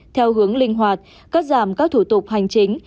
theo hướng linh hoạt cắt giảm các thủ tục hành chính